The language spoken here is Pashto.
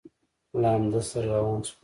له همده سره روان شوم.